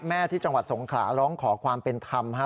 แม่ที่จังหวัดสงขลาร้องขอความเป็นธรรมฮะ